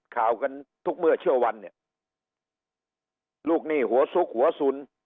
ข่าวกันทุกเมื่อเชื่อวันเนี่ยลูกหนี้หัวซุกหัวสุน